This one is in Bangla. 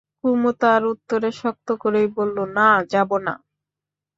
কুমু তার উত্তরে শক্ত করেই বললে, না, যাব না।